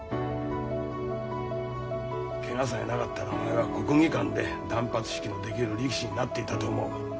ケガさえなかったらお前は国技館で断髪式のできる力士になっていたと思う。